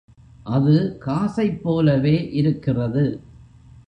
அது காசைப் போலவே இருக்கிறது.